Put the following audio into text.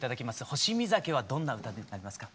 「星見酒」はどんな歌になりますか？